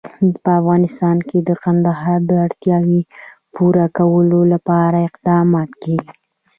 په افغانستان کې د کندهار د اړتیاوو پوره کولو لپاره اقدامات کېږي.